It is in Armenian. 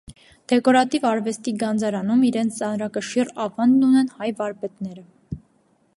Դեկորատիվ արվեստի գանձարանում իրենց ծանրակշիռ ավանդն ունեն հայ վարպետները։